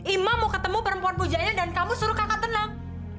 imam mau ketemu perempuan pujanya dan kamu suruh kakak tenang